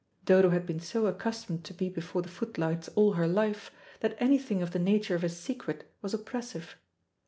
Dodo had been so accustomed to be before the footlights all her life, that anything of the nature of a secret was oppressive.